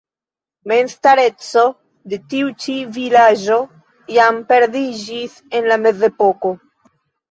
Memstareco de tiu ĉi vilaĝo jam perdiĝis en la Mezepoko.